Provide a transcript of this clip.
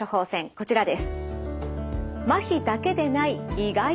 こちらです。